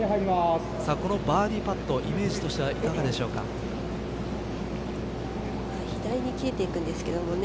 このバーディーパットイメージとしては左に切れていくんですけどもね。